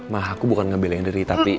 ma aku bukan ngebelain riri tapi